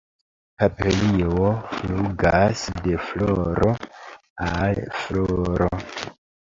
Papilio flugas de floro al floro.